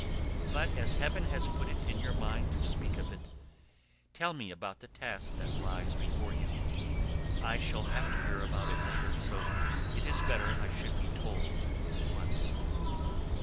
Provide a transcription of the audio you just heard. But as heaven has put it in your mind to speak of it, tell me about the task that lies before you. I shall have to hear about it later, so it is better that I should be told at once."